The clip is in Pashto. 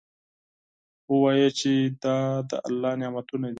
ووایه چې دا د الله نعمتونه دي.